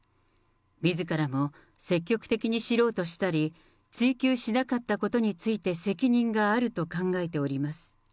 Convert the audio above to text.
みずからも積極的に知ろうとしたり、追及しなかったことについて責任があると考えております。